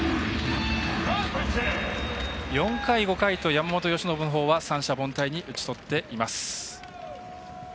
４回、５回と山本由伸のほうは三者凡退に打ち取っています。